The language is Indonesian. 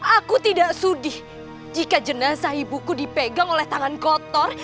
aku tidak sedih jika jenazah ibuku dipegang oleh tangan kotor